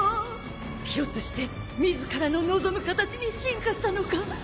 ひょっとして自らの望む形に進化したのか！？